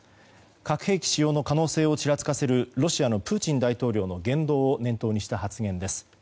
核兵器使用の可能性をちらつかせるロシアのプーチン大統領の言動を念頭にした発言です。